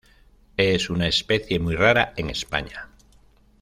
Es una especie muy rara en España.